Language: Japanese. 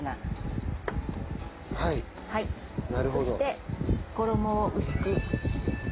そして衣を薄く。